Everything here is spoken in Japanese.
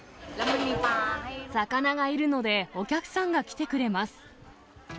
魚がいるので、お客さんが来てくれます。